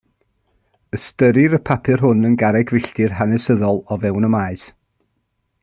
Ystyrir y papur hwn yn garreg filltir hanesyddol o fewn y maes.